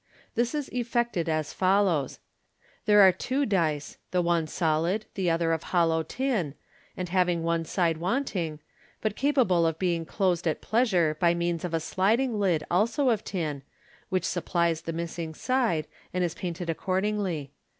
This is effected as follows :— There are two dice, the one solid, the other of hollow tin, and having one side wanting, but capable of being clos ed at pleasure by means of a sliding lid also of tin, which sup plies the missing side, and is painted accord ingly.